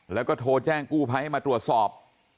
แล้วก็โทรแจ้งกู้ภัยให้มาตรวจสอบ